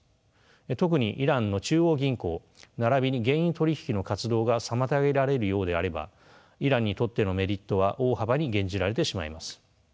特にイランの中央銀行ならびに原油取り引きの活動が妨げられるようであればイランにとってのメリットは大幅に減じられてしまいます。